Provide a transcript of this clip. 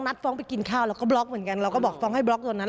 ฟ้องไปกินข้าวเราก็บล็อกเหมือนกันเราก็บอกฟ้องให้บล็อกตัวนั้น